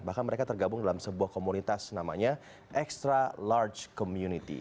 bahkan mereka tergabung dalam sebuah komunitas namanya extra large community